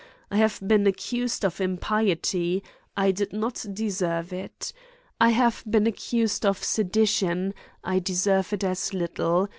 I have been accused of impiety ; I did not deserve it. I have been ac cused of sedition ; I deserved it as little.